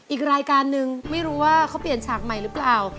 อีกรายการนึงไม่รู้ว่าเขาเปลี่ยนฉากใหม่หรือเปล่า